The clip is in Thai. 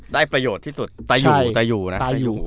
ได้ประโยชน์ที่สุดตายอยู่นะ